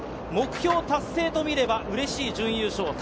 目標達成と見ればうれしい準優勝。